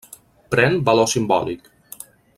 Pren valor simbòlic.